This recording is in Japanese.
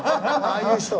ああいう人は。